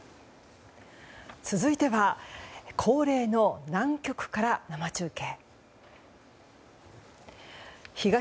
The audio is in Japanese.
続いては恒例の南極から生中継。